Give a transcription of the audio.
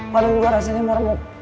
waduh gue rasanya meremuk